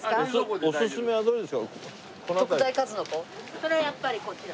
それはやっぱりこちら。